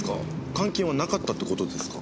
監禁はなかったって事ですか？